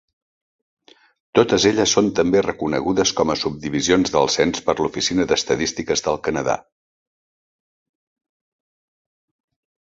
Totes elles són també reconegudes com a subdivisions del cens per l'Oficina d'Estadístiques del Canadà.